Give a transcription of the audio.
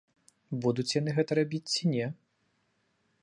Будуць яны гэта рабіць, ці не?